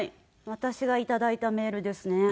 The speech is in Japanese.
私がいただいたメールですね。